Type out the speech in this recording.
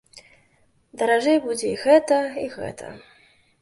Даражэй будзе і гэта, і гэта.